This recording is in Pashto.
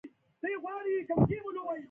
د بازار نرخونه د کروندګر لپاره ډېر مهم دي.